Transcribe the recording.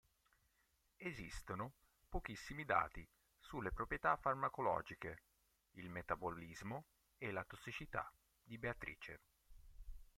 Esistono pochissimi dati sulle proprietà farmacologiche, il metabolismo e la tossicità di Beatrice.